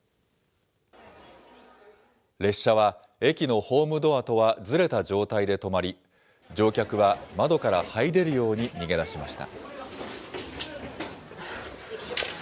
列車は駅のホームドアとはずれた状態で止まり、乗客は窓からはい出るように逃げ出しました。